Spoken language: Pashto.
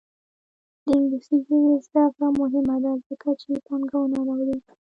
د انګلیسي ژبې زده کړه مهمه ده ځکه چې پانګونه راوړي.